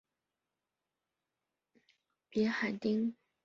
别海町为日本北海道根室振兴局野付郡的町。